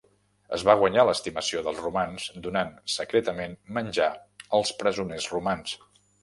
Es va guanyar l'estimació dels romans donant secretament menjar als presoners romans.